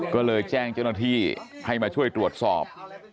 ก็เลยแจ้งเจ้าหน้าที่ให้มาช่วยตรวจสอบ